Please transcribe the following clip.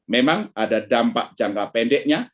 memang ada dampak jangka pendeknya